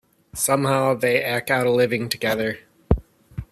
Somehow they eke out a living together.